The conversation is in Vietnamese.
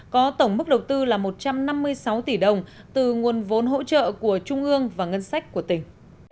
có tổng mức đầu tư là một trăm năm mươi sáu tỷ đồng từ nguồn vốn hỗ trợ của trung ương và ngân sách của tỉnh